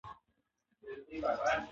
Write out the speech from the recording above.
بې باورۍ اصلاح ستونزمنه کوي